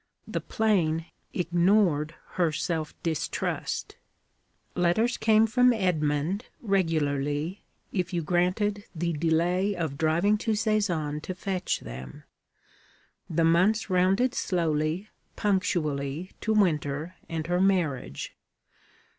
The plain ignored her self distrust. Letters came from Edmund, regularly, if you granted the delay of driving to Sézanne to fetch them. The months rounded slowly, punctually, to winter and her marriage.